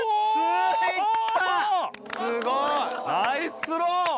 すごい！ナイススロー！